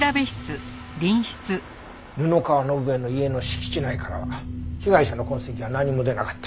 布川伸恵の家の敷地内からは被害者の痕跡は何も出なかった。